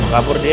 kau kabur dia